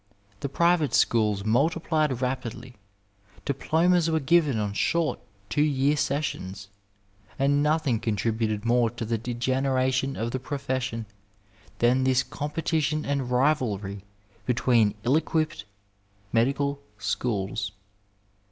The private schools multiplied rapidly, diplomas were given on short two year sessions, and nothing con tributed more to the degeneration of the profession than this competition and rivalry between ill equipped medical schools.